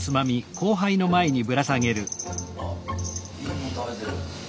あっいいもん食べてる。